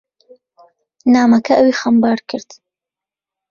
نامەکە ئەوی خەمبار کرد.